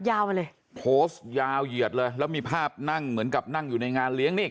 ยาวมาเลยโพสต์ยาวเหยียดเลยแล้วมีภาพนั่งเหมือนกับนั่งอยู่ในงานเลี้ยงนี่